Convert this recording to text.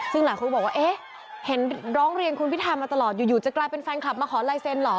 ซึ่งหลายคนก็บอกว่าเอ๊ะเห็นร้องเรียนคุณพิธามาตลอดอยู่จะกลายเป็นแฟนคลับมาขอลายเซ็นเหรอ